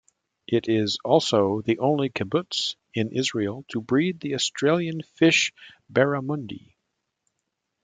It is also the only Kibbutz in Israel to breed the Australian fish Barramundi.